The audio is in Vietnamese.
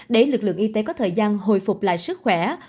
để lực lượng y tế có thời gian hồi phục lại sức khỏe